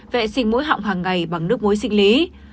vệ sinh mũi họng hàng ngày bằng nước muối sinh lý